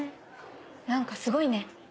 なんかすごいね。